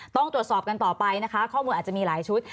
ต้องตรวจสอบกันต่อไปนะคะข้อมูลอาจจะมีหลายชุด